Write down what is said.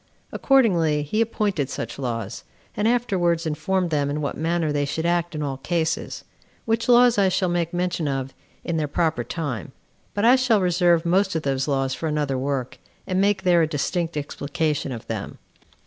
Accordingly he appointed such laws, and afterwards informed them in what manner they should act in all cases; which laws I shall make mention of in their proper time; but I shall reserve most of those laws for another work, 11 and make there a distinct explication of them.